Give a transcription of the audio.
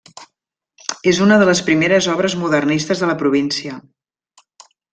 És una de les primeres obres modernistes de la província.